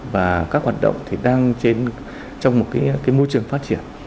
và các hoạt động thì đang trên trong một cái môi trường phát triển